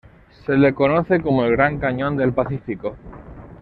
Se le conoce como "El Gran Cañón del Pacífico.